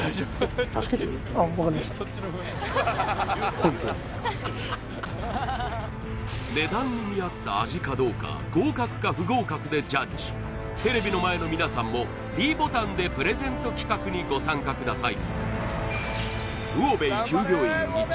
ホントに値段に見あった味かどうか合格か不合格でジャッジテレビの前の皆さんもｄボタンでプレゼント企画にご参加ください